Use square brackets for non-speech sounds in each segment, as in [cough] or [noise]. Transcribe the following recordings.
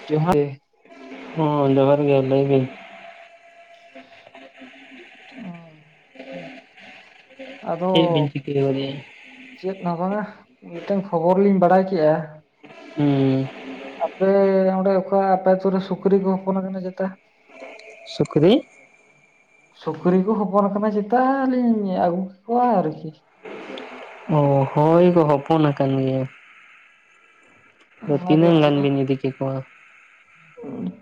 [unintelligible] ᱦᱮᱸ ᱡᱚᱦᱟᱨ ᱜᱮ ᱞᱟᱹᱭ ᱵᱤᱱ᱾ [inaudible] ᱟᱫᱚ ᱪᱮᱫ ᱵᱤᱱ ᱪᱤᱠᱟᱹ ᱵᱟᱲᱟᱭᱮᱜᱼᱟ? ᱪᱮᱜ ᱦᱚᱸ ᱵᱟᱝᱟ, ᱢᱤᱫᱴᱟᱝ ᱠᱷᱚᱵᱚᱨ ᱞᱤᱧ ᱵᱟᱲᱟᱭ ᱠᱮᱜᱼᱟ᱾ ᱦᱩᱸ᱾ ᱟᱯᱮ ᱚᱸᱰᱮ ᱚᱠᱟ ᱟᱯᱮ ᱟᱛᱩ ᱨᱮ ᱥᱩᱠᱨᱤ ᱠᱚ ᱦᱚᱯᱚᱱ ᱠᱟᱱᱟ ᱪᱮᱛᱟ? ᱥᱩᱠᱨᱤ, ᱥᱩᱠᱨᱤ ᱠᱚ ᱦᱚᱯᱚᱱ ᱟᱠᱟᱱᱟ ᱪᱮᱛᱟ ᱟᱞᱤᱧ ᱟᱹᱜᱩ ᱠᱮ ᱠᱚᱣᱟ ᱟᱨᱠᱤ᱾ [inaudible] ᱚᱸᱻ ᱦᱳᱭ ᱠᱚ ᱦᱚᱯᱚᱱ ᱟᱠᱟᱱ ᱜᱮᱭᱟ᱾ ᱟᱫᱚ ᱚᱱᱟᱜᱮ ᱛᱤᱱᱟᱹᱝ ᱜᱟᱱ ᱛᱤᱱᱟᱹᱜ ᱵᱤᱱ ᱤᱫᱤ ᱠᱮᱠᱚᱣᱟ?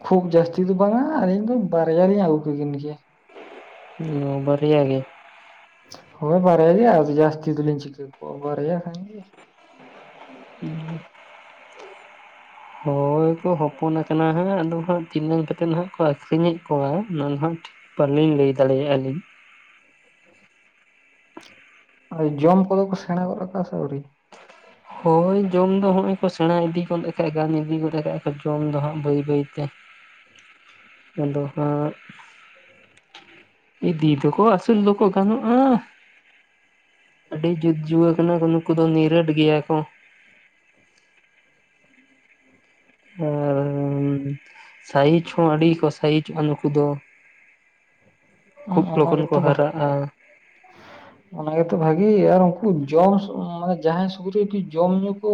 ᱠᱷᱩᱵ ᱡᱟᱹᱥᱛᱤ ᱫᱚ ᱵᱟᱝᱟ᱾ ᱟᱞᱤᱧ ᱫᱚ ᱵᱟᱨᱭᱟ ᱞᱤᱧ ᱟᱹᱜᱩ ᱠᱤᱠᱤᱱ ᱠᱮᱭᱟ᱾ ᱚᱸᱻ ᱵᱟᱹᱨᱭᱟ ᱜᱮ? ᱦᱳᱭ ᱵᱟᱨᱭᱟ ᱜᱮ, ᱟᱫᱚ ᱡᱟᱥᱛᱤ ᱫᱚ ᱞᱤᱧ ᱪᱤᱠᱟᱹ ᱠᱚᱣᱟ ᱵᱟᱨᱭᱟ ᱠᱷᱟᱱ ᱜᱤ ᱦᱳᱭ ᱠᱚ ᱦᱚᱯᱚᱱ ᱟᱠᱟᱱᱟ ᱦᱟᱸᱜ ᱟᱫᱚ ᱦᱟᱸᱜ, ᱛᱤᱱᱟᱹᱝ ᱠᱟᱛᱮᱫ ᱦᱟᱸᱜ ᱠᱚ ᱟᱹᱠᱷᱨᱤᱧᱮᱫ ᱠᱚᱣᱟ ᱚᱱᱟ ᱫᱚ ᱦᱟᱸᱜ ᱴᱷᱤᱠ ᱵᱟᱹᱞᱤᱧ ᱞᱟᱹᱭ ᱫᱟᱲᱮᱭᱟᱜᱼᱟ ᱞᱤᱧ᱾ ᱟᱨ ᱡᱚᱢ ᱠᱚᱫᱚ ᱠᱚ ᱥᱮᱬᱟ ᱜᱚᱫᱽ ᱟᱠᱟᱫᱟ‌‌ ᱥᱮ ᱟᱣᱨᱤ? ᱦᱳᱭ ᱡᱚᱢ ᱫᱚ ᱦᱚᱸᱜᱼᱚᱭ ᱠᱚ ᱥᱮᱬᱟ ᱤᱫᱤ ᱜᱚᱫ ᱟᱠᱟᱫ ᱜᱮ ᱤᱫᱤ ᱜᱚᱫ ᱠᱟᱜᱼᱟ ᱠᱚ ᱡᱚᱢ ᱫᱚ ᱦᱟᱸᱜ ᱵᱟᱹᱭ ᱵᱟᱹᱭᱛᱮ, [inaudible] ᱟᱫᱚ ᱦᱟᱸᱜ, ᱤᱫᱤ ᱫᱚᱠᱚ ᱟᱥᱩᱞ ᱫᱚᱠᱚ ᱜᱟᱱᱚᱜᱼᱟ᱾ ᱟᱹᱰᱤ ᱡᱩᱛ ᱡᱩᱭᱟᱹ ᱠᱟᱱᱟ ᱠᱚ ᱱᱩᱠᱩ ᱫᱚ ᱱᱤᱨᱟᱹᱴ ᱜᱮᱭᱟ ᱠᱚ ᱟᱨ ᱥᱟᱭᱤᱡ ᱦᱚᱸ ᱟᱹᱰᱤ ᱠᱚ ᱥᱟᱭᱤᱡᱚᱜᱼᱟ ᱱᱩᱠᱩ ᱫᱚ᱾ ᱠᱷᱩᱵ ᱚᱱᱟ ᱞᱚᱜᱚᱱ ᱠᱚ ᱜᱮᱛᱚ ᱵᱟ ᱦᱟᱨᱟᱜᱼᱟ᱾ ᱚᱱᱟ ᱜᱮᱛᱚ ᱵᱷᱟᱜᱤ, ᱟᱨ ᱩᱱᱠᱩ ᱡᱚᱢ ᱢᱟᱱᱮ ᱡᱟᱦᱟᱸᱭ ᱥᱩᱠᱨᱤ ᱠᱚ ᱡᱚᱢ ᱧᱩ, ᱩᱱᱠᱩ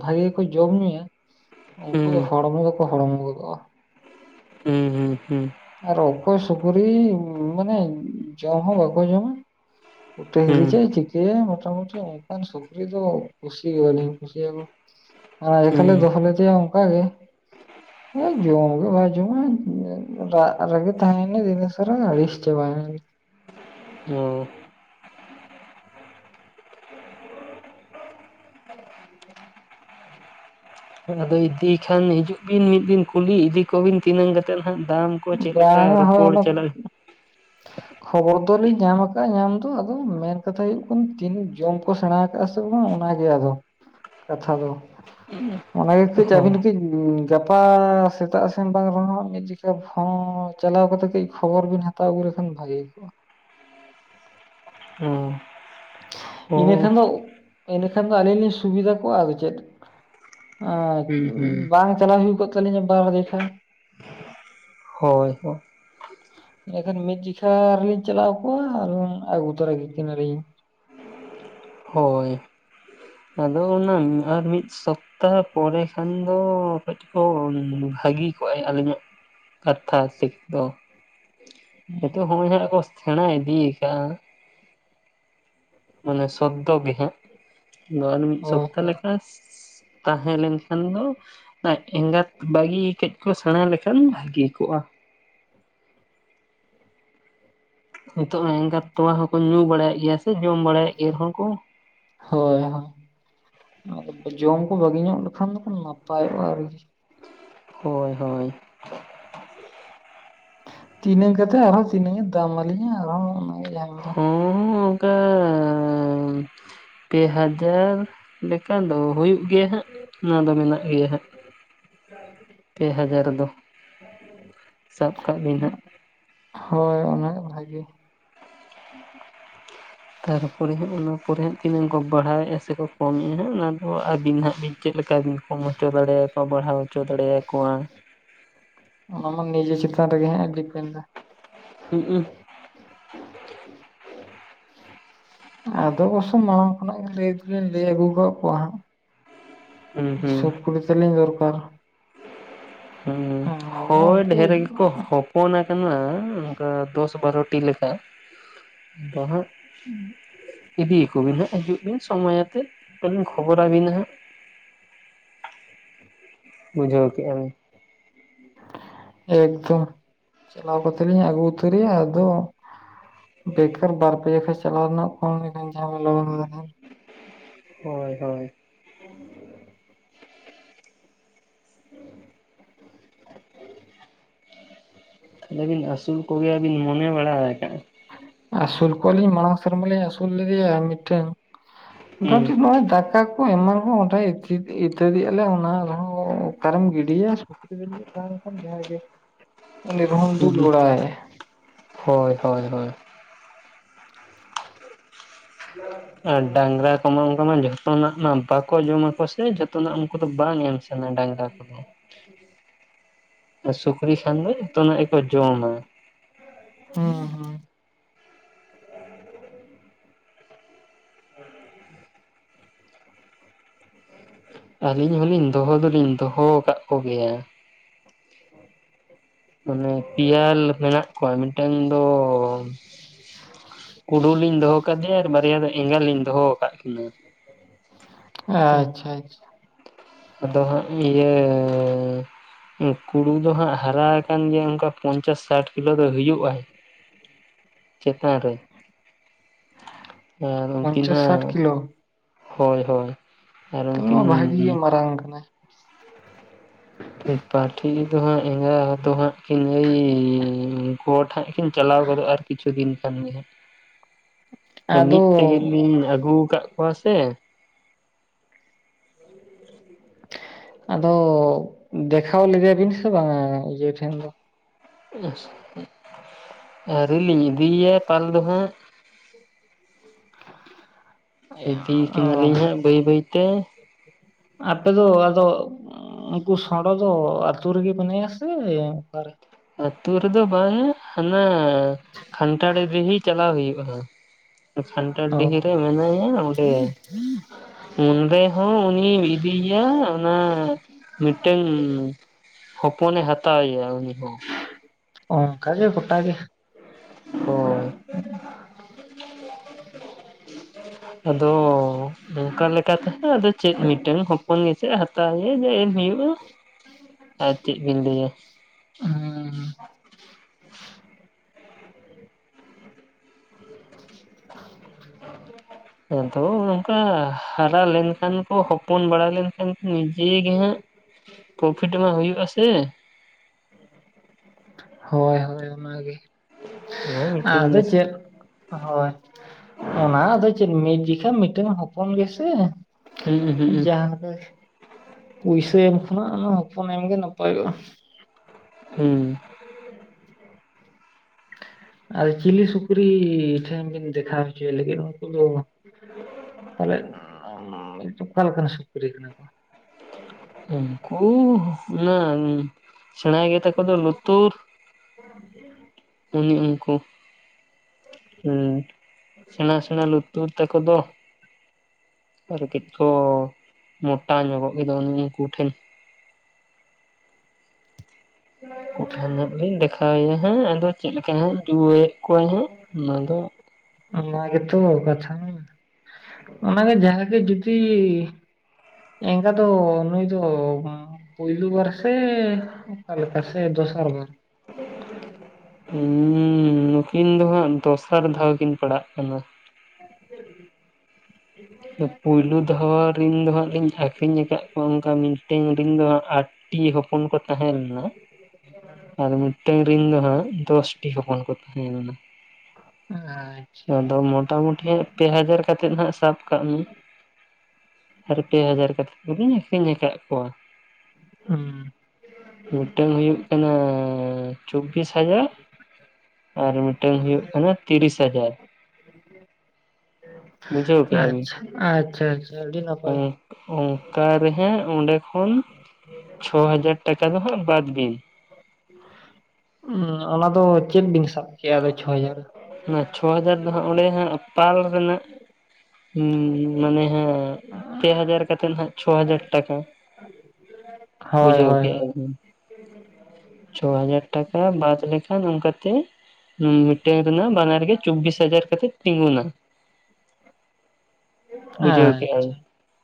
ᱵᱷᱟᱜᱮ ᱠᱚ ᱡᱚᱢ ᱧᱩᱭᱟ, ᱳᱱᱠᱳ ᱫᱚ ᱦᱩᱸ ᱦᱚᱲᱢᱚ ᱫᱚᱠᱚ ᱦᱚᱲᱢᱚ ᱜᱚᱫᱚᱜᱼᱟ᱾ ᱦᱩᱸ ᱦᱩᱸ ᱦᱩᱸ᱾ ᱟᱨ ᱚᱠᱚᱭ ᱥᱩᱠᱨᱤ ᱢᱟᱱᱮ ᱡᱚᱢ ᱦᱚᱸ ᱵᱟᱠᱚ ᱡᱚᱢᱟ᱾ ᱩᱴᱟᱹ ᱦᱩᱸ ᱦᱩᱸ ᱦᱤᱨᱤᱪᱟᱭ ᱪᱤᱠᱟᱹᱭᱟ ᱢᱚᱴᱟᱢᱩᱴᱤ ᱚᱱᱠᱟᱱ ᱥᱩᱠᱨᱤ ᱫᱚ ᱠᱩᱥᱤ ᱜᱮ ᱵᱟᱹᱞᱤᱧ ᱠᱩᱥᱤᱭᱟᱠᱚ᱾ ᱟᱨ ᱮᱠᱷᱟᱞᱮ ᱦᱩᱸ ᱫᱚᱦᱚ ᱞᱮᱫᱮᱭᱟ᱾ ᱚᱱᱠᱟ ᱜᱮ, ᱦᱮᱸ ᱡᱚᱢ ᱜᱮ ᱵᱟᱭ ᱡᱚᱢᱟ᱾ ᱫᱟᱜ ᱨᱮᱜᱮ ᱛᱟᱦᱮᱭᱮᱱᱟ ᱫᱤᱱᱟᱹᱥᱚᱨᱟ ᱟᱹᱲᱤᱥ ᱪᱟᱵᱟᱭ ᱱᱟᱞᱤᱧ᱾ ᱚᱸᱻ ᱟᱫᱚ ᱤᱫᱤᱭ ᱠᱷᱟᱱ ᱦᱤᱡᱩᱜ ᱵᱤᱱ ᱢᱤᱜ ᱫᱤᱱ, ᱠᱩᱞᱤ ᱤᱫᱤ ᱠᱚᱵᱤᱱ ᱛᱤᱱᱟᱹᱝ ᱠᱟᱛᱮ? ᱱᱛᱮ ᱱᱟᱦᱟᱜ ᱫᱟᱢ ᱠᱚ ᱪᱮᱫ ᱞᱮᱠᱟ ᱵᱟᱝ ᱦᱳᱭ ᱨᱚᱯᱚᱲ ᱚᱱᱟ ᱪᱟᱞᱟᱜᱼᱟ ᱠᱷᱚᱵᱚᱨ ᱫᱚᱞᱤᱧ ᱧᱟᱢ ᱟᱠᱟᱜᱼᱟ ᱧᱟᱢ ᱫᱚ ᱟᱫᱚ ᱢᱮᱱ ᱠᱟᱛᱷᱟ ᱦᱩᱭᱩᱜ ᱠᱟᱱᱟ ᱛᱤᱱᱟᱹᱜ ᱡᱚᱢ ᱠᱚ ᱥᱮᱬᱟ ᱥᱮ ᱵᱟᱝ ᱚᱱᱟᱜᱮ ᱟᱫᱚ ᱠᱟᱛᱷᱟ ᱫᱚ᱾ ᱚᱱᱟᱜᱮ ᱠᱟᱹᱡ ᱟᱹᱵᱤᱱ ᱦᱚᱸ ᱠᱟᱹᱡ ᱜᱟᱯᱟ ᱥᱮᱛᱟᱜ ᱥᱮᱱ ᱵᱟᱝ ᱨᱚᱦᱚᱸ ᱢᱤᱫ ᱡᱮᱠ [unintelligible] ᱪᱟᱞᱟᱣ ᱠᱟᱛᱮᱜ ᱠᱟᱹᱡ ᱠᱷᱚᱵᱚᱨ ᱵᱤᱱ ᱦᱟᱛᱟᱣ ᱟᱹᱜᱩ ᱞᱮᱠᱷᱟᱱ ᱵᱷᱟᱜᱮ ᱠᱚᱜᱼᱟ᱾ [inaudible] ᱦᱮᱸ ᱤᱱᱟᱹᱠᱷᱟᱱ ᱫᱚ ᱤᱱᱟᱹᱠᱷᱟᱱ ᱫᱚ ᱟᱹᱞᱤᱧ ᱞᱤᱧ ᱥᱩᱵᱤᱫᱷᱟ ᱠᱚᱜᱼᱟ ᱟᱫᱚ ᱪᱮᱫ᱾ ᱟᱨ ᱦᱩᱸ ᱦᱩᱸ ᱵᱟᱝ ᱪᱟᱞᱟᱣ ᱦᱩᱭ ᱠᱚᱜ ᱛᱟᱹᱞᱤᱧᱟ ᱵᱟᱨ ᱫᱮᱠᱷᱟ᱾ ᱦᱳᱭ ᱦᱳᱭ ᱤᱱᱟᱹᱠᱷᱟᱱ ᱢᱤᱫ ᱡᱤᱜᱷᱟ ᱨᱮᱞᱤᱧ ᱪᱟᱞᱟᱣ ᱠᱚᱜᱣᱟ ᱟᱨ ᱟᱹᱜᱩ ᱛᱚᱨᱟ ᱜᱮ ᱠᱤᱱᱟᱹᱞᱤᱧ ᱦᱳᱭ ᱟᱫᱚ ᱚᱱᱟ ᱟᱨ ᱢᱤᱫ ᱥᱚᱯᱚ ᱛᱟᱨᱯᱚᱨᱮ ᱠᱷᱟᱱ ᱫᱚ ᱠᱟᱹᱡ ᱠᱚ ᱵᱷᱟᱹᱜᱤ ᱠᱚᱜᱼᱟᱭ ᱟᱞᱤᱧᱟᱜ ᱠᱟᱛᱷᱟ ᱥᱤᱠ ᱫᱚ ᱦᱳᱭ ᱱᱤᱛᱚᱜ ᱦᱚᱸᱭ ᱦᱟᱸᱜ ᱠᱚ ᱥᱮᱬᱟ ᱤᱫᱤᱭᱠᱟᱜᱼᱟ᱾ ᱢᱟᱱᱮ ᱥᱚᱫᱽᱫᱚ ᱵᱤᱦᱟᱹᱜ ᱫᱚ ᱟᱨ ᱢᱤᱫ ᱦᱳᱭ ᱥᱚᱯᱛᱟ ᱞᱮᱠᱟ ᱛᱟᱦᱮᱸ ᱞᱮᱱᱠᱷᱟᱱ ᱫᱚ ᱮᱸᱜᱟᱛ ᱵᱟᱹᱜᱤ ᱠᱟᱹᱡ ᱠᱚ ᱥᱮᱬᱟ ᱞᱮᱠᱷᱟᱱ ᱵᱷᱟᱹᱜᱤ ᱠᱚᱜᱼᱟ᱾ ᱱᱤᱛᱚᱜ ᱮᱸᱜᱟᱛ ᱛᱚᱣᱟ ᱦᱚᱸᱠᱚ ᱧᱩ ᱵᱟᱲᱟᱭᱮᱫ ᱜᱮᱭᱟ ᱥᱮ ᱡᱚᱢ ᱵᱟᱲᱟᱭᱮᱫ ᱜᱮᱭᱟ ᱨᱮᱦᱚᱸ ᱠᱚ ᱦᱳᱭ ᱦᱳᱭ ᱡᱚᱢ ᱠᱚ ᱵᱟᱹᱜᱤ ᱧᱚᱜ ᱞᱮᱠᱷᱟᱱ ᱫᱚ ᱱᱟᱯᱟᱭᱚᱜᱼᱟ ᱟᱨᱠᱤ᱾ ᱦᱳᱭ ᱦᱳᱭ ᱛᱤᱱᱟᱹᱝ ᱠᱟᱛᱮ ᱟᱨᱦᱚᱸ ᱛᱤᱱᱟᱹᱝ ᱮ ᱫᱟᱢ ᱟᱹᱟᱞᱤᱧᱟ ᱟᱨᱦᱚᱸ ᱚᱱᱟᱜᱮ ᱡᱷᱟᱢᱮᱞᱟ᱾ ᱦᱚ ᱚᱱᱠᱟ ᱯᱮ ᱦᱟᱡᱟᱨ ᱞᱮᱠᱟ ᱫᱚ ᱦᱩᱭᱩᱜ ᱜᱮᱭᱟ ᱦᱟᱸᱜ᱾ ᱚᱱᱟ ᱫᱚ ᱢᱮᱱᱟᱜ ᱜᱮᱭᱟ ᱦᱟᱸᱜ ᱯᱮ ᱦᱟᱡᱟᱨ ᱫᱚ ᱥᱟᱵ ᱠᱟᱜ ᱵᱤᱱ ᱦᱟᱸᱜ ᱦᱳᱭ ᱚᱱᱟᱱᱟᱜ ᱵᱷᱟᱜᱮ [unintelligible] ᱛᱟᱨᱯᱚᱨᱮ ᱦᱟᱸᱜ ᱚᱱᱟ ᱯᱚᱨᱮ ᱦᱟᱸᱜ ᱛᱤᱱᱟᱹᱜ ᱠᱚ ᱵᱟᱲᱦᱟᱣᱮᱫᱼᱟ ᱥᱮ ᱠᱚᱢᱮᱫᱼᱟ ᱦᱚᱜ ᱚᱱᱟ ᱟᱹᱵᱤᱱ ᱦᱟᱸᱜ ᱵᱤᱱ ᱪᱮᱫ ᱞᱮᱠᱟ ᱵᱤᱱ ᱠᱚᱢ ᱦᱚᱪᱚ ᱫᱟᱲᱮᱭᱟᱠᱚᱣᱟ ᱵᱟᱲᱦᱟᱣ ᱦᱚᱪᱚ ᱫᱟᱲᱮᱭᱟᱠᱚᱣᱟ᱾ ᱟᱱᱟ ᱢᱟ ᱱᱤᱡᱮ ᱪᱮᱛᱟᱱ ᱨᱮᱜᱮ ᱰᱤᱯᱮᱱᱰ ᱟᱭ᱾ ᱦᱩᱸ ᱩ ᱟᱫᱚ ᱵᱚᱨᱥᱚ ᱢᱟᱲᱟᱝ ᱠᱷᱚᱱᱟᱜ ᱜᱮ ᱞᱟᱹᱭ ᱫᱚᱞᱤᱧ ᱞᱟᱹᱭ ᱟᱹᱜᱩ ᱠᱟᱜ ᱠᱚᱣᱟ ᱦᱟᱸᱜ ᱦᱩᱸ ᱦᱩᱸ ᱥᱩᱠᱨᱤ ᱛᱟᱞᱤᱧ ᱫᱚᱨᱠᱟᱨ᱾ ᱦᱮᱸ ᱦᱚ ᱟᱫᱚ ᱦᱳᱭ ᱩᱱᱠᱩ ᱰᱷᱮᱨ ᱜᱮᱠᱚ ᱦᱚᱯ ᱯᱷᱳᱱ ᱟᱠᱟᱱᱟ ᱚᱱᱠᱟ ᱫᱚᱥ ᱵᱟᱨᱚᱴᱤ ᱞᱮᱠᱟ᱾ ᱵᱟᱦᱟᱜ ᱤᱫᱤᱭᱟᱠᱚ ᱵᱤᱱ ᱦᱟᱸᱜ ᱦᱤᱡᱩᱜ ᱵᱤᱱ ᱥᱚᱢᱚᱭᱛᱮᱫ ᱟᱨ ᱞᱤᱧ ᱠᱷᱚᱵᱚᱨᱟᱵᱤᱱᱟ ᱦᱟᱸᱜ᱾ ᱵᱩᱡᱷᱟᱹᱣ ᱠᱮᱜᱟ ᱵᱤᱱ [unintelligible] ᱮᱠᱫᱚᱢ ᱪᱟᱞᱟᱣ ᱠᱟᱛᱮ ᱞᱤᱧ ᱟᱹᱜᱩ ᱩᱛᱟᱹᱨᱮᱭᱟ ᱟᱫᱚ᱾ ᱵᱮᱠᱟᱨ ᱵᱟᱨ ᱯᱮᱡ ᱠᱷᱚᱡ ᱪᱟᱞᱣ ᱱᱟᱜ ᱡᱷᱟᱢᱮᱞᱟ ᱦᱳᱭ ᱦᱳᱭ [unintelligible] [unintelligible] ᱛᱟᱦᱞᱮ ᱵᱤᱱ ᱟᱹᱥᱩᱞ ᱠᱚᱜᱮᱭᱟ ᱵᱤᱱ ᱢᱚᱱᱮ ᱵᱟᱲᱟ ᱠᱟᱱᱟᱫᱼᱟ? ᱟᱹᱥᱩᱞ ᱠᱚᱣᱟᱞᱤᱧ ᱢᱟᱲᱟᱝ ᱥᱮᱨᱢᱟᱞᱤᱧ ᱟᱹᱥᱩᱞ ᱞᱮᱫᱮᱭᱟ ᱢᱤᱫᱴᱟᱝ ᱢᱚᱴᱟᱢᱩᱴᱤ ᱦᱩᱸ ᱱᱚᱜᱼᱚᱭ ᱫᱟᱠᱟ ᱮᱢᱟᱱ ᱠᱚ ᱚ ᱤᱛᱟᱹᱫ ᱜᱮ-ᱟ ᱞᱮ ᱚᱱᱟ ᱨᱮᱦᱚᱸ ᱚᱠᱟᱨᱮᱢ ᱜᱤᱰᱤᱭᱟ᱾ [inaudible] ᱠᱷᱟᱱ ᱡᱟᱦᱟᱸ ᱜᱮ ᱩᱱᱤ ᱨᱦᱚᱱ ᱫᱩᱞ ᱦᱩᱸ ᱵᱟᱲᱟᱭᱟ᱾ ᱦᱳᱭ ᱦᱳᱭ ᱦᱳᱭ ᱟᱨ ᱰᱟᱝᱨᱟ ᱚᱱᱠᱟ ᱢᱟ ᱡᱚᱛᱚᱱᱟᱜ ᱢᱟ ᱵᱟᱠᱚ ᱡᱚᱢᱟᱠᱚ ᱥᱮ ᱡᱚᱛᱚᱱᱟᱜ ᱩᱱᱠᱩ ᱫᱚ ᱵᱟᱝ ᱮᱢ ᱥᱮ ᱚᱱᱟ ᱰᱟᱝᱨᱟ ᱠᱚᱫᱚ ᱥᱩᱠᱨᱤ ᱥᱟᱱ ᱫᱚ ᱡᱷᱚᱛᱚ ᱱᱟᱜ ᱜᱮᱠᱚ ᱡᱚᱢᱟ᱾ ᱦᱩᱸ ᱦᱩᱸ᱾ [unintelligible] ᱟᱞᱤᱧ ᱦᱚᱸᱞᱤᱧ ᱫᱚᱦᱚ ᱫᱚᱞᱤᱧ ᱫᱚᱦᱚ ᱣᱟᱠᱟᱜ ᱠᱚ ᱜᱮᱭᱟ᱾ ᱢᱟᱱᱮ ᱯᱮᱭᱟ ᱞᱮ ᱢᱮᱱᱟᱜ ᱠᱚᱣᱟ ᱢᱤᱫᱴᱟᱝ ᱫᱚᱼᱼ ᱠᱩᱰᱩ ᱞᱤᱧ ᱫᱚᱦᱚ ᱠᱟᱫᱮᱭᱟ ᱟᱨ ᱵᱟᱨᱭᱟ ᱫᱚ ᱮᱸᱜᱟ ᱞᱤᱧ ᱫᱚᱦᱚ ᱣᱟᱠᱟᱜ ᱠᱤᱱᱟᱹ᱾ ᱟᱪᱷᱟ ᱟᱪᱷᱟ᱾ ᱟᱫᱚ ᱦᱟᱸᱜ ᱤᱭᱟᱹᱻᱼᱼ ᱩᱸᱻ ᱠᱩᱲᱩ ᱫᱚ ᱦᱟᱸᱜ ᱦᱟᱨᱟ ᱟᱠᱟᱱ ᱜᱮᱭᱟ ᱚᱱᱠᱟ ᱯᱚᱧᱪᱟᱥ ᱥᱟᱴ ᱠᱤᱞᱳ ᱫᱚᱭ ᱦᱩᱭᱩᱜ-ᱟ᱾ ᱪᱮᱛᱟᱱ ᱨᱮ ᱟᱨ ᱩᱱᱠᱤᱱ ᱯᱚᱧᱪᱟᱥ ᱥᱟᱴ ᱦᱟᱸᱜᱼᱼ ᱠᱤᱞᱳ ᱦᱚᱭ ᱦᱚᱭ ᱟᱨ ᱛᱟᱦᱚᱞᱮ ᱩᱱᱠᱤᱱ ᱢᱟ ᱵᱷᱟᱜᱤ ᱜᱮ ᱩᱸᱻᱼᱼ ᱢᱟᱨᱟᱝ ᱠᱟᱱᱟᱭ᱾ ᱚ ᱯᱟᱴᱷᱤ ᱫᱚ ᱦᱟᱸᱜ ᱮᱸᱜᱟ ᱛᱚ ᱦᱟᱸᱜ ᱠᱤᱱ ᱟᱹᱭᱤᱼᱼ ᱩᱸ ᱜᱚᱴ ᱦᱟᱜ ᱠᱤᱱ ᱪᱟᱞᱟᱣ ᱜᱚᱫᱚᱜ- ᱟ ᱟᱨ ᱠᱤᱪᱷᱩ ᱫᱤᱱ ᱠᱷᱟᱱ ᱜᱮ ᱦᱟᱸᱜ᱾ ᱟ ᱟᱫᱚ ᱢᱤᱫ ᱛᱮᱜᱮ ᱞᱤᱧ ᱟᱜᱩᱣ ᱠᱟᱜ ᱠᱚᱣᱟ ᱥᱮ᱾ [inaudible] ᱟᱫᱚ ᱫᱮᱠᱷᱟᱣ ᱞᱮᱫᱮᱭᱟ ᱵᱤᱱ ᱥᱮ ᱵᱟᱝᱟ ᱤᱭᱟᱹ ᱴᱷᱮᱱ ᱫᱚ? ᱟᱸᱥ ᱟᱹᱣᱨᱤᱞᱤᱧ ᱤᱫᱤᱭ ᱭᱟ ᱯᱟᱞ ᱫᱩ ᱦᱟᱸᱜ᱾ ᱤᱫᱤᱭ ᱠᱤᱱᱟ ᱚ ᱞᱤᱧ ᱦᱟᱸᱜ ᱵᱟᱹᱭ ᱵᱟᱹᱭ ᱛᱮ᱾ ᱟᱯᱮ ᱫᱚ ᱟᱫᱚ ᱩᱸᱜᱼᱼ ᱩᱸᱻ ᱩᱱᱠᱩ ᱥᱟᱸᱬᱚ ᱫᱚ ᱟᱛᱩ ᱨᱮ ᱜᱮ ᱢᱮᱱᱟᱭᱟ ᱥᱮ ᱮᱸ ᱚᱠᱟ ᱨᱮ? ᱟᱹᱛᱩ ᱨᱮᱫᱚ ᱵᱟᱝ ᱦᱟᱱᱟᱼᱼ ᱟᱸ ᱠᱷᱟᱱᱴᱟᱲ ᱰᱤᱦᱤᱸ ᱨᱮᱦ ᱪᱟᱞᱟᱣ ᱦᱩᱭᱩᱜ-ᱟᱸ᱾ ᱠᱷᱟᱱᱴᱟᱲ ᱰᱤᱦᱤ ᱨᱮ ᱢᱮᱱᱟᱭᱟ ᱚᱸᱰᱮ᱾ ᱦᱩᱸᱜ᱾ ᱚᱸᱰᱮ ᱦᱚᱸ ᱩᱱᱤ ᱤᱫᱤᱭ ᱭᱟ ᱚᱱᱟ ᱢᱤᱫᱴᱟᱹᱝᱼᱼ ᱦᱚᱯᱚᱱᱮ ᱦᱟᱛᱟᱣᱮᱭᱟ ᱩᱱᱤ ᱦᱚᱸ᱾ ᱚᱱᱠᱟ ᱜᱮ ᱜᱚᱴᱟ ᱜᱮ᱾ ᱦᱚᱭ᱾ [inaudible] ᱟᱫᱚ ᱚᱱᱠᱟ ᱞᱮᱠᱟ ᱛᱮ ᱦᱟᱸᱜ ᱟᱫᱚ ᱪᱮᱫ ᱢᱤᱫᱴᱟᱝ ᱦᱚᱯᱚᱱ ᱜᱮᱥᱮ ᱦᱟᱛᱟᱣᱮᱭᱟ ᱡᱮ ᱮᱢ ᱦᱩᱭᱩᱜ-ᱟ᱾ ᱦᱮᱸ᱾ [inaudible] ᱟᱨ ᱪᱤᱜ ᱵᱤᱱ ᱞᱟᱹᱭᱟ᱾ ᱦᱚᱸᱻᱩᱸ᱾ ᱟᱫᱚ ᱱᱚᱝᱠᱟ ᱦᱟᱨᱟ ᱞᱮᱱ ᱠᱷᱟᱱ ᱠᱚ ᱦᱚᱯᱚᱱ ᱵᱟᱲᱟ ᱞᱮᱱ ᱠᱷᱟᱱ ᱱᱤᱡᱮᱜ ᱜᱮᱦᱟᱸᱜᱼᱼ ᱯᱨᱚᱯᱷᱤᱴ ᱢᱟ ᱦᱩᱭᱩᱜ-ᱟ ᱥᱮ᱾ ᱦᱚᱭ ᱦᱚᱭ ᱚᱱᱟᱜᱮ, ᱚᱱᱟ ᱢᱤᱫᱴᱮᱱ ᱟᱫᱚ ᱜᱮ ᱪᱮᱫ? ᱦᱚᱭ ᱚᱱᱟ ᱟᱫᱚ ᱪᱮᱫ ᱢᱤᱫ ᱡᱤᱠᱷᱟᱱ ᱢᱤᱫᱴᱮᱱ ᱦᱚᱯᱚᱱ ᱜᱮᱥᱮ᱾ ᱦᱩᱸ ᱦᱩᱸ ᱡᱟᱷᱟᱸᱼᱼ ᱦᱳᱭᱻ ᱯᱩᱭᱥᱟᱹ ᱮᱢ ᱠᱷᱚᱱᱟᱜ ᱟᱫᱚ ᱦᱚᱯᱚᱱ ᱮᱢ ᱜᱮ ᱱᱟᱯᱟᱭᱚᱜ-ᱟ᱾ ᱦᱩᱸ᱾ ᱟᱨ ᱪᱤᱞᱤ ᱥᱩᱠᱨᱤ ᱴᱷᱮᱱ ᱵᱤᱱ ᱫᱮᱠᱷᱟᱣ ᱦᱚᱪᱚᱭ ᱞᱟᱹᱜᱤᱫ ᱩᱱᱠᱩ ᱫᱚ? ᱛᱟᱦᱚᱞᱮᱜ ᱚᱸᱻᱱ ᱚᱠᱟ ᱞᱮᱠᱟᱱ ᱥᱩᱠᱨᱤ ᱠᱟᱱᱟ ᱠᱚ? ᱩᱱᱠᱚ ᱦᱩᱱᱟᱹᱝᱼᱼ ᱥᱮᱬᱟᱭ ᱜᱮᱛᱟ ᱠᱚ ᱫᱚ ᱞᱩᱛᱩᱨ ᱩᱱᱤ ᱩᱱᱠᱩ᱾ ᱦᱩᱸ, ᱥᱮᱬᱟ ᱥᱮᱬᱟ ᱞᱩᱛᱩᱨ ᱛᱟᱠᱚ ᱫᱚ᱾ ᱟᱨ ᱠᱤᱪᱷᱚ ᱢᱚᱴᱟ ᱧᱚᱜᱚᱜ ᱜᱮᱫᱚ ᱩᱱᱤ ᱩᱱᱠᱩ ᱴᱷᱮᱱ᱾ ᱩᱱᱠᱩ ᱴᱷᱮᱱ ᱦᱟᱸᱜ ᱞᱤᱧ ᱫᱮᱠᱷᱟ ᱣᱮᱭᱟ ᱦᱟᱸᱜ ᱟᱫᱚᱼᱼ ᱪᱮᱫ ᱞᱮᱠᱟ ᱦᱟᱸᱜ ᱡᱩᱣᱟᱹᱭᱮᱜ ᱠᱚᱣᱟᱭ ᱦᱟᱸᱜ ᱚᱱᱟ ᱫᱚᱼᱼ ᱚᱱᱟ ᱜᱮᱛᱚ ᱠᱟᱛᱷᱟ ᱢᱟ ᱚᱱᱟ ᱜᱮ ᱡᱟᱦᱟᱸ ᱜᱮ ᱡᱩᱫᱤᱻ ᱮᱸᱜᱟ ᱫᱚᱻ ᱱᱩᱭ ᱫᱚᱻ ᱵᱟᱝ ᱯᱩᱭᱞᱩ ᱵᱟᱨ ᱥᱮ ᱚᱠᱟ ᱞᱮᱠᱟ ᱥᱮ ᱫᱚᱥᱟᱨ ᱵᱟᱨ ᱦᱩᱸ ᱱᱩᱠᱤᱱ ᱫᱚ ᱦᱟᱸᱜ ᱫᱚᱥᱟᱨ ᱫᱷᱟᱣ ᱠᱤᱱ ᱯᱟᱲᱟᱜ ᱠᱟᱱᱟ [unintelligible] ᱯᱳᱭᱞᱩ ᱫᱷᱟᱣ ᱨᱤᱱ ᱫᱚ ᱦᱟᱸᱜ ᱞᱤᱧ ᱟᱠᱷᱨᱤᱧ ᱠᱟᱜ ᱠᱚᱣᱟ ᱚᱱᱠᱟ ᱢᱤᱫᱴᱮᱱ ᱨᱤᱱ ᱫᱚ ᱦᱟᱸᱜ ᱟᱠ ᱴᱤ ᱦᱚᱯᱚᱱ ᱠᱚ ᱛᱟᱦᱮᱸ ᱞᱮᱱᱟ ᱟᱨ ᱢᱤᱫᱴᱮᱝ ᱨᱤᱱ ᱫᱚ ᱦᱟᱸᱜ ᱫᱚᱥ ᱴᱤ ᱦᱚᱯᱚᱱ ᱠᱚ ᱛᱟᱦᱮᱸ ᱞᱮᱱᱟ ᱟᱪᱪᱷᱟ ᱟᱫᱚ ᱢᱚᱴᱟ ᱢᱩᱴᱤ ᱦᱟᱸᱜ ᱯᱮ ᱦᱟᱡᱟᱨ ᱠᱟᱛᱮᱫ ᱦᱟᱸᱜ ᱥᱟᱵ ᱠᱟᱜ ᱢᱮ ᱟᱨ ᱯᱮ ᱦᱟᱡᱟᱨ ᱠᱟᱛᱮᱫ ᱫᱚᱞᱤᱧ ᱟᱹᱠᱷᱨᱤᱧ ᱠᱟᱜ ᱠᱚᱣᱟ᱾ ᱦᱩᱸ ᱢᱤᱫᱴᱮᱝ ᱦᱩᱭᱩᱜ ᱠᱟᱱᱟᱻ ᱪᱚᱵᱵᱤᱥ ᱦᱟᱡᱟᱨ᱾ ᱟᱨ ᱢᱤᱫᱴᱮᱝ ᱦᱩᱭᱩᱜ ᱠᱟᱱᱟ ᱛᱤᱨᱤᱥ ᱦᱟᱡᱟᱨ ᱵᱩᱡᱷᱟᱣ᱾ ᱟᱪᱪᱷᱟ ᱟᱪᱪᱷᱟ ᱟᱪᱪᱷᱟ ᱟᱹᱰᱤ ᱱᱟᱯᱟᱭ ᱦᱩᱸ ᱚᱝᱠᱟ ᱨᱮᱦᱟᱸᱜ ᱚᱸᱰᱮ ᱠᱷᱚᱱ ᱪᱷᱚ ᱦᱟᱡᱟᱨ ᱴᱟᱠᱟ ᱫᱚ ᱦᱟᱸᱜ ᱵᱟᱫᱽ ᱵᱤᱱ᱾ ᱚᱸ ᱚᱱᱟ ᱫᱚ ᱪᱮᱫ ᱵᱤᱱ ᱥᱟᱵ ᱠᱮᱜᱼᱟ ᱟᱫᱚ ᱪᱷᱚ ᱦᱟᱡᱟᱨ? ᱚᱱᱟ ᱪᱷᱚ ᱦᱟᱡᱟᱨ ᱫᱚ ᱦᱟᱸᱜ ᱚᱸᱰᱮ ᱦᱟᱸᱜ ᱯᱟᱞ ᱨᱮᱱᱟᱜ᱾ ᱦᱩᱸ ᱢᱟᱱᱮ ᱦᱟᱸᱜ ᱯᱮ ᱦᱟᱡᱟᱨ ᱠᱟᱛᱮᱱ ᱦᱟᱸᱜ ᱪᱷᱚ ᱦᱟᱡᱟᱨ ᱴᱟᱠᱟ᱾ ᱦᱳᱭ ᱵᱩᱡᱷᱟᱣ ᱦᱳᱭ ᱦᱳᱭ ᱠᱮᱜᱼᱟ ᱵᱤᱱ? ᱪᱷᱚ ᱦᱟᱡᱟᱨ ᱴᱟᱠᱟ ᱵᱟᱫ ᱞᱮᱠᱷᱟᱱ ᱚᱝᱠᱟᱛᱮ ᱦᱩᱸ ᱢᱤᱫᱴᱮᱱ ᱨᱮᱱᱟᱜ ᱵᱟᱱᱟᱨ ᱜᱮ ᱪᱚᱵᱽᱵᱤᱥ ᱦᱟᱡᱟᱨ ᱠᱟᱛᱮᱜ ᱛᱤᱸᱜᱩᱱᱟ᱾ ᱵᱩᱡᱷᱟᱹᱣ ᱠᱮᱜᱼᱟ ᱟᱪᱪᱷᱟ ᱵᱤᱱ?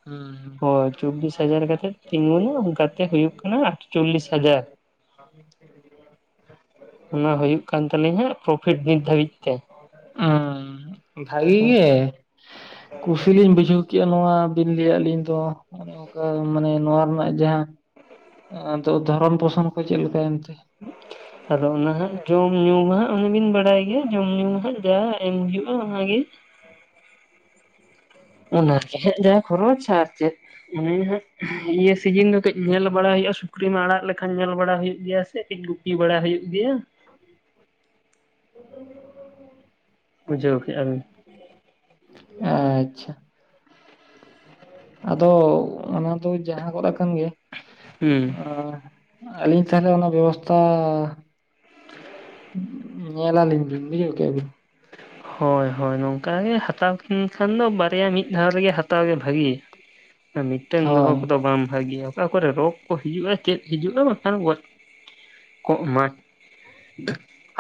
ᱦᱩᱸ ᱦᱳᱭ ᱪᱚᱵᱽᱵᱤᱥ ᱦᱟᱡᱟᱨ ᱠᱟᱛᱮᱫ ᱛᱤᱸᱜᱩᱱᱟ ᱚᱝᱠᱟᱛᱮ ᱦᱩᱭᱩᱜ ᱠᱟᱱᱟ ᱟᱴᱪᱚᱞᱞᱤᱥ ᱦᱟᱡᱟᱨ᱾ [unintelligible] ᱚᱱᱟ ᱦᱳᱭᱩᱜ ᱠᱟᱱ ᱛᱟᱞᱤᱧᱟ ᱯᱨᱚᱯᱷᱤᱴ ᱱᱤᱛ ᱫᱷᱟᱹᱵᱤᱡ ᱛᱮ᱾ ᱟᱸ ᱵᱷᱟᱜᱤ ᱜᱮ᱾ ᱠᱩᱥᱤ ᱞᱤᱧ ᱵᱩᱡᱷᱟᱹᱣ ᱠᱮᱜᱼᱟ ᱱᱚᱣᱟ ᱵᱤᱱ ᱞᱟᱹᱭᱟᱜ ᱞᱤᱧ ᱫᱚ᱾ ᱱᱚᱜᱼᱚᱝᱠᱟ ᱢᱟᱱᱮ ᱱᱚᱣᱟ ᱨᱮᱱᱟᱜ ᱡᱟᱦᱟᱸ ᱟᱫᱚ ᱫᱷᱚᱨᱚᱱ ᱯᱚᱥᱚᱱ ᱠᱚ ᱪᱮᱜ ᱞᱮᱠᱟ ᱮᱱᱛᱮ? ᱟᱫᱚ ᱚᱱᱟ ᱦᱟᱸᱜ ᱡᱚᱢ ᱧᱩ ᱢᱟ ᱦᱟᱸᱜ ᱚᱱᱮ ᱵᱤᱱ ᱵᱟᱰᱟᱭ ᱜᱮ ᱡᱚᱢ ᱧᱩ ᱢᱟ ᱦᱟᱸᱜ ᱡᱟ ᱮᱢ ᱦᱩᱭᱩᱜᱼᱟ ᱚᱱᱟᱜᱮ᱾ ᱚᱱᱟᱦ ᱜᱮ ᱦᱟᱸᱜ ᱡᱟ ᱠᱷᱚᱨᱚᱪ ᱟᱨ ᱪᱮᱫ ᱚᱱᱮ ᱦᱟᱸᱜ ᱤᱭᱟᱹ ᱥᱤᱡᱤᱱ ᱫᱚ ᱠᱟᱹᱡ ᱧᱮᱞ ᱵᱟᱲᱟ ᱦᱩᱭᱩᱜᱼᱟ ᱥᱩᱠᱨᱤᱢ ᱟᱲᱟᱜ ᱞᱮᱠᱷᱟᱱ ᱧᱮᱞ ᱵᱟᱲᱟ ᱦᱩᱭᱩᱜ ᱜᱮᱭᱟ ᱥᱮ ᱛᱤᱸᱜᱩ ᱯᱤ ᱵᱟᱲᱟ ᱦᱩᱭᱩᱜ ᱜᱮᱭᱟ᱾ [inaudible] ᱵᱩᱡᱷᱟᱹᱣ ᱠᱮᱜᱼᱟ ᱵᱤᱱ? ᱟᱪᱪᱷᱟ ᱟᱫᱚ ᱚᱱᱟ ᱫᱚ ᱡᱟᱦᱟᱸ ᱜᱚᱫ ᱟᱠᱟᱱ ᱜᱮ ᱦᱩᱸ ᱟᱸ ᱟᱹᱞᱤᱧ ᱛᱟᱞᱦᱮ ᱚᱱᱟ ᱵᱮᱵᱚᱥᱛᱟᱻ ᱧᱮᱞᱟ ᱞᱤᱧ ᱵᱤᱱ ᱵᱩᱡᱷᱟᱹᱣ ᱠᱮᱜᱼᱟ ᱵᱤᱱ? ᱦᱚᱭ ᱦᱚᱭ ᱱᱚᱝᱠᱟ ᱜᱮ ᱦᱟᱛᱟᱣ ᱠᱤᱱ ᱠᱷᱟᱱ ᱫᱚ ᱵᱟᱨᱭᱟ ᱢᱤᱫ ᱫᱷᱟᱣ ᱨᱮᱜᱮ ᱦᱟᱛ ᱛᱟᱣ ᱜᱮ ᱵᱷᱟᱹᱜᱤ ᱢᱤᱫᱴᱮᱱ ᱦᱳᱭ ᱫᱚᱦᱚᱸ ᱠᱚ ᱫᱚ ᱵᱟᱝ ᱵᱷᱟᱜᱤᱭᱟ᱾ ᱚᱠᱟ ᱠᱚᱨᱮ ᱨᱳᱜᱽ ᱠᱚ ᱦᱤᱡᱩᱜᱼᱟ ᱪᱮᱫ ᱦᱤᱡᱩᱜᱼᱟ ᱵᱟᱠᱷᱟᱱ ᱜᱚᱡ ᱠᱚᱜ ᱢᱟ᱾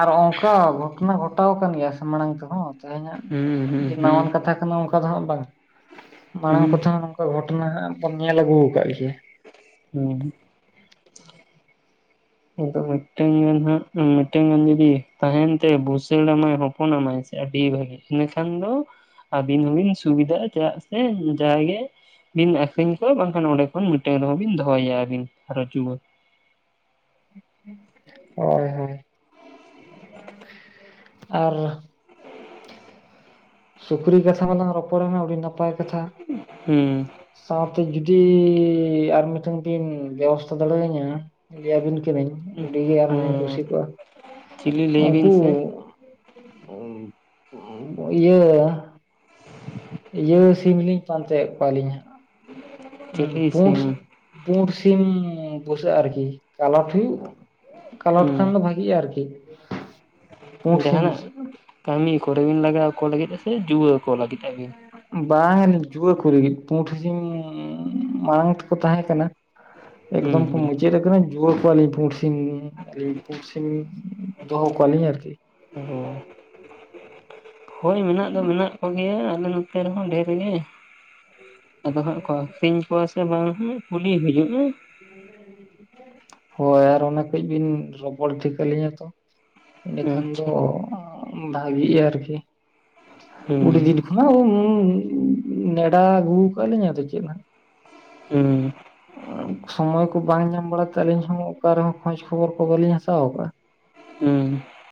ᱟᱨ ᱚᱝᱠᱟ ᱜᱷᱚᱴᱚᱱᱟ ᱜᱷᱚᱴᱟᱣ ᱠᱟᱱ ᱜᱮᱭᱟ ᱥᱮ ᱢᱟᱲᱟᱝ ᱛᱮ ᱦᱚᱸ᱾ ᱛᱮᱦᱮᱧᱟᱜ ᱦᱩᱸ ᱦᱩᱸ ᱡᱮ ᱦᱩᱸ ᱱᱟᱣᱟᱱ ᱠᱟᱛᱷᱟ ᱠᱟᱱᱟ ᱚᱱᱠᱟ ᱫᱚ ᱦᱟᱸᱜ ᱵᱟᱝᱟ ᱢᱟᱲᱟᱝ ᱠᱚ ᱦᱩᱸ ᱛᱮ ᱦᱚᱸ ᱠᱚ ᱜᱷᱚᱴᱚᱱᱟ ᱦᱟᱸᱜ ᱵᱚᱱ ᱧᱮᱞ ᱟᱹᱜᱩ ᱠᱟᱜ ᱜᱮᱭᱟ᱾ ᱦᱩᱸ ᱟᱫᱚ ᱢᱤᱫᱴᱟᱝ ᱜᱟᱱ ᱦᱟᱸᱜ ᱢᱤᱫᱴᱮᱱ ᱜᱟᱱ ᱡᱩᱫᱤ ᱛᱟᱦᱮᱱ ᱛᱮ ᱵᱷᱩᱥᱟᱹᱲᱟᱢᱟᱭ ᱦᱚᱯᱚᱱᱟᱢᱟᱭ ᱥᱮ᱾ ᱟᱹᱰᱤ ᱵᱷᱟᱹᱜᱤ ᱤᱱᱟᱹᱠᱷᱟᱱ ᱫᱚ ᱟᱹᱵᱤᱱ ᱦᱚᱸᱵᱤᱱ ᱥᱩᱵᱤᱫᱟᱜᱼᱟ ᱪᱮᱫᱟᱜ ᱥᱮ ᱡᱟᱜᱮ ᱵᱤᱱ ᱟᱠᱷᱨᱤᱧ ᱠᱚᱣᱟ ᱵᱟᱝᱠᱷᱟᱱ ᱚᱸᱰᱮ ᱠᱷᱚᱱ ᱢᱤᱫᱴᱮᱱ ᱨᱮᱦᱚᱸ ᱵᱤᱱ ᱫᱚᱦᱚᱭᱮᱭᱟ ᱟᱹᱵᱤᱱ ᱨᱟᱹᱪᱩᱣᱟᱹ᱾ [inaudible] ᱦᱳᱭ ᱦᱳᱭ ᱟᱨ ᱥᱩᱠᱨᱤ ᱠᱟᱛᱷᱟ ᱢᱟᱞᱟᱝ ᱨᱚᱯᱚᱲ ᱮᱱᱟ ᱟᱹᱰᱤ ᱱᱟᱯᱟᱭ ᱠᱟᱛᱷᱟ᱾ ᱦᱩᱸ ᱥᱟᱶᱛᱮ ᱡᱩᱫᱤ ᱟᱨ ᱢᱤᱫᱴᱮᱱ ᱵᱤᱱ ᱵᱮᱵᱚᱥᱛᱷᱟ ᱫᱟᱲᱮᱭᱟᱹᱧᱟᱹ᱾ ᱞᱮᱭᱟ ᱵᱤᱱ ᱠᱟᱹᱱᱟᱹᱧ ᱩᱰᱤ ᱜᱮ ᱟᱨ ᱦᱚᱸ ᱞᱤᱧ ᱦᱩᱸ ᱠᱩᱥᱤ ᱠᱚᱜ-ᱟ ᱪᱤᱞᱤ ᱞᱟᱹᱭ ᱵᱤᱱ ᱩᱱᱠᱩ ᱥᱮ ᱤᱭᱟᱹ ᱤᱭᱟᱹ ᱥᱤᱢ ᱞᱤᱧ ᱯᱟᱱᱛᱮᱭᱮᱫ ᱠᱚᱣᱟᱞᱤᱧ ᱦᱟᱸᱜ ᱪᱤᱞᱤ ᱯᱩᱸᱰ ᱥᱤᱢ ᱯᱩᱸᱰ ᱥᱤᱢ ᱵᱩᱥᱟ ᱹᱜ ᱟᱨ ᱠᱤ ᱠᱟᱞᱚᱴ ᱦᱩᱭᱩᱜ ᱠᱟᱞᱚᱴ ᱠᱷᱟᱱ ᱫᱚ ᱵᱷᱟᱹᱜᱤᱜᱼᱟ ᱟᱨᱠᱤ᱾ ᱯᱩᱸᱰ ᱥᱤᱢ ᱡᱟᱸᱦᱟᱱᱟᱜ ᱵᱩᱥᱟᱹᱜ ᱠᱟᱹᱢᱤ ᱠᱚᱨᱮ ᱵᱤᱱ ᱞᱟᱜᱟᱣ ᱠᱚ ᱞᱟᱹᱜᱤᱫ ᱟ ᱥᱮ ᱡᱩᱣᱟᱹ ᱠᱚ ᱞᱟᱹᱜᱤᱫ ᱟᱹᱵᱤᱱ? ᱵᱟᱝᱟ ᱞᱤᱧ ᱡᱩᱣᱟᱹ ᱠᱚ ᱞᱟᱹᱜᱤᱫ ᱯᱩᱸᱰ ᱥᱤᱢ ᱢᱟᱲᱟᱝ ᱛᱮᱠᱚ ᱛᱟᱦᱮᱸ ᱠᱟᱱᱟ᱾ ᱮᱠᱫᱚᱢ ᱦᱩᱸ ᱠᱚ ᱦᱩᱸ ᱢᱩᱪᱟᱹᱫ ᱟᱠᱟᱱᱟ ᱠᱩᱣᱟᱹ ᱠᱚᱣᱟᱞᱤᱧ ᱯᱩᱸᱰ ᱥᱤᱢ᱾ ᱟᱹᱞᱤᱧ ᱯᱩᱸᱰ ᱥᱤᱢ ᱫᱚᱦᱚ ᱠᱚᱣᱟᱞᱤᱧ ᱟᱨᱠᱤ ᱚ ᱦᱳᱭ ᱢᱮᱱᱟᱜ ᱫᱚ ᱢᱮᱱᱟᱜ ᱠᱚᱜᱮᱭᱟ ᱟᱞᱮ ᱱᱚᱛᱮ ᱨᱮᱦᱚᱸ ᱰᱷᱮᱨ ᱜᱮ ᱟᱫᱚ ᱦᱟᱸᱜ ᱠᱚ ᱟᱹᱠᱷᱨᱤᱧ ᱠᱚᱣᱟ ᱥᱮ ᱵᱟᱝ ᱦᱟᱸᱜ ᱠᱩᱞᱤ ᱦᱩᱭᱩᱜᱼᱟ ᱦᱳᱭ ᱟᱨ ᱚᱱᱟ ᱠᱟᱹᱡ ᱵᱤᱱ ᱨᱚᱯᱚᱲ ᱴᱷᱤᱠ ᱟᱹᱞᱤᱧᱟ ᱛᱚ᱾ ᱮᱸᱰᱮᱠᱷᱟᱱ ᱫᱚ ᱟᱪᱪᱷᱟ ᱵᱷᱟᱹᱜᱤᱜᱼᱟ ᱟᱨᱠᱤ ᱦᱩᱸ ᱠᱩᱤᱫᱤᱱ [unintelligible] [unintelligible] ᱱᱮᱰᱟ ᱟᱹᱜᱩ ᱟᱠᱟᱜ ᱞᱤᱧ ᱟᱫᱚ ᱪᱮᱫ ᱦᱟᱸᱜ᱾ ᱦᱩᱸ ᱥᱚᱢᱚᱭ ᱠᱚ ᱵᱟᱝ ᱧᱟᱢ ᱵᱟᱲᱟᱛᱮ ᱟᱹᱞᱤᱧ ᱦᱚ ᱚᱠᱟ ᱨᱮᱦᱚᱸ ᱠᱷᱚᱡᱽ ᱠᱷᱚᱵᱚᱨ ᱠᱚ ᱵᱟᱞᱤᱧ ᱦᱟᱛᱟᱣ ᱟᱠᱟᱫᱼᱟ᱾ ᱦᱩᱸ